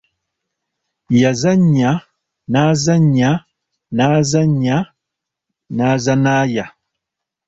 Yazannya, n’azannya, n’azannya n’azannaya.